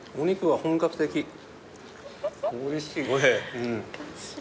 おいしい。